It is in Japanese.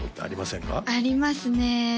ありますね